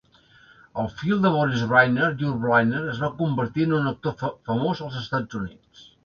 El fill de Boris Brynner, Yul Brynner, es va convertir en un actor famós als Estats Units.